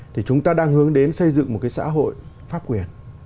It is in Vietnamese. thì chúng ta đang hướng đến xây dựng một cái xã hội pháp quyền